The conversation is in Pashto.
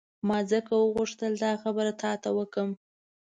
ما ځکه وغوښتل دا خبره تا ته وکړم.